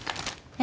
え